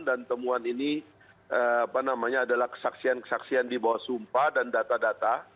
dan temuan ini adalah kesaksian kesaksian di bawah sumpah dan data data